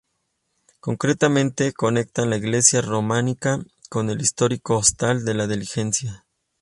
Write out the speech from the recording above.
Concretamente conectan la iglesia románica con el histórico hostal La Diligencia.